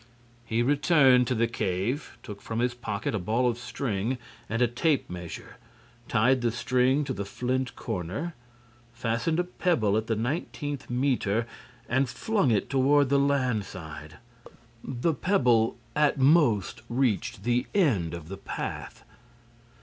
He returned to the cave, took from his pocket a ball of string and a tape measure, tied the string to the flint corner, fastened a pebble at the nineteenth metre and flung it toward the land side. The pebble at most reached the end of the path.